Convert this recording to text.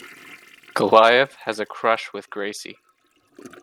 Goliath has a crush with Gracie.